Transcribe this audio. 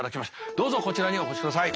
どうぞこちらにお越しください。